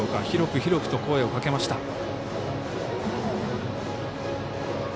広く広くと声をかけました。